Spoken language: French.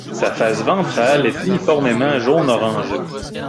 Sa face ventrale est uniformément jaune orangé.